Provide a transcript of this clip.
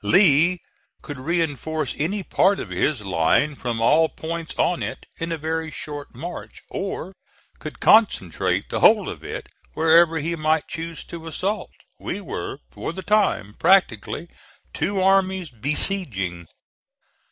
Lee could reinforce any part of his line from all points of it in a very short march; or could concentrate the whole of it wherever he might choose to assault. We were, for the time, practically two armies besieging.